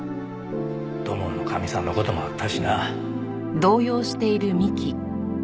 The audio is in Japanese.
土門のかみさんの事もあったしな。